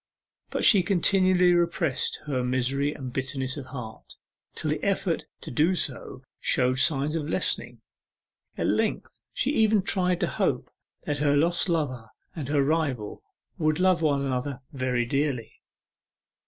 But she continually repressed her misery and bitterness of heart till the effort to do so showed signs of lessening. At length she even tried to hope that her lost lover and her rival would love one another very dearly.